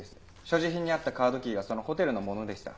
所持品にあったカードキーがそのホテルのものでした。